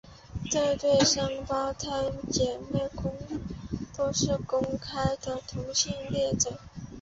这对双胞胎姐妹都是公开的同性恋者。